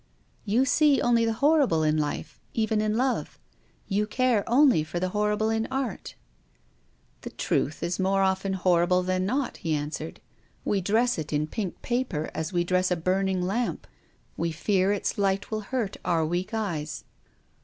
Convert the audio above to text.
" You see only the horrible in life, even in love. You care only for the horrible in art." " The truth is more often horrible than not," he answered. " We dress it in pink paper as we dress a burning lamp. We fear its light will hurt our weak eyes.